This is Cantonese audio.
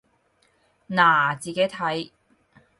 嗱，自己睇